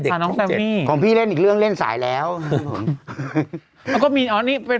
เด็กช่องเจ็ดของพี่เล่นอีกเรื่องเล่นสายแล้วแล้วก็มีอ๋อนี่เป็น